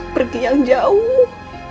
pergi yang jauh